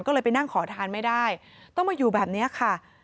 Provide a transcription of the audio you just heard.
ก็เลยไปนั่งขอทานไม่ได้ต้องมาอยู่แบบนี้ค่ะ